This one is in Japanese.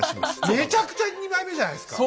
めちゃくちゃ二枚目じゃないですか。